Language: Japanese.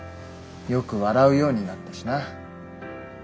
よく笑うようになったしな。